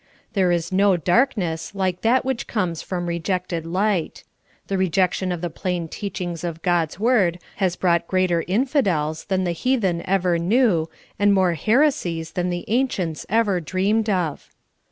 There is no darkness like that which comes from rejected light. The rejection of the plain teachings 90 SOUL FOOD. of God*s word has brought greater infidels than the heathen ever knew, and more heresies than the ancients ever dreamed of.